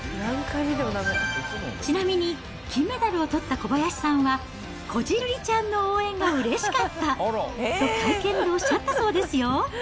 ちなみに、金メダルをとった小林さんは、こじるりちゃんの応援がうれしかったと、会見でおっしゃったそうですよ。